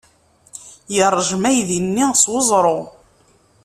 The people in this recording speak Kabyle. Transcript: Yeṛjem aydi-nni s weẓru.